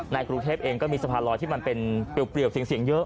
กรุงเทพเองก็มีสะพานลอยที่มันเป็นเปรียวเสียงเยอะ